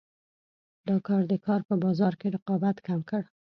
دا کار د کار په بازار کې رقابت کم کړ.